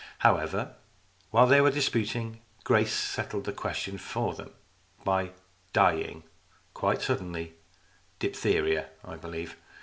However, while they were disputing, Grace settled the question for them by dying quite suddenly diphtheria, I believe.